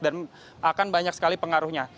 dan akan banyak sekali pengaruhnya